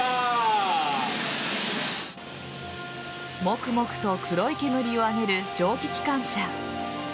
モクモクと黒い煙を上げる蒸気機関車。